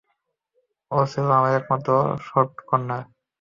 ও ছিল আমার একমাত্র সফটকর্নার।